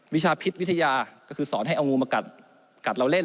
วิชาพิษวิทยาก็คือสอนให้เอางูมากัดเราเล่น